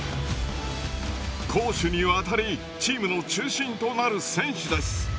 攻守にわたりチームの中心となる選手です。